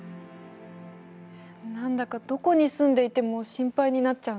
何だかどこに住んでいても心配になっちゃうね。